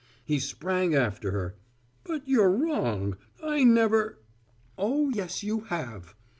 He sprang after her. "But you're wrong. I've never " "Oh, yes, you have."